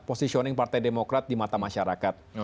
positioning partai demokrat di mata masyarakat